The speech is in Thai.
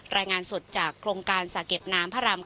รายงานสดจากโครงการสระเก็บน้ำพระราม๙